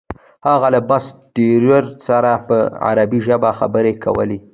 هغه له بس ډریور سره په عربي ژبه خبرې کولې.